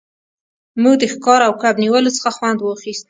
موږ د ښکار او کب نیولو څخه خوند واخیست